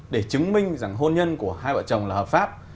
để chứng minh rằng hôn nhân của hai vợ chồng là hợp pháp